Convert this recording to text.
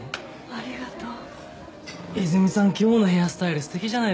ありがとう。